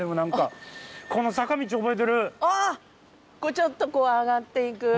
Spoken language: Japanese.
ちょっと上がって行く。